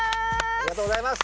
ありがとうございます！